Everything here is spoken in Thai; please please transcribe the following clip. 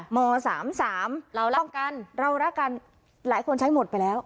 มสามสามเรารักกันเรารักกันหลายคนใช้หมดไปแล้ว